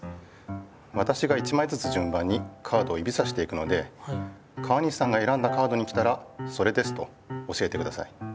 わたしが一まいずつじゅん番にカードをゆびさしていくので川西さんがえらんだカードに来たら「それです」と教えてください。